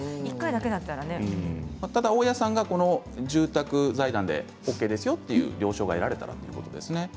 また大家さんが住宅財団でＯＫですよという了承が得られたらということですね。